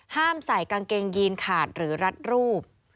ใส่กางเกงยีนขาดหรือรัดรูป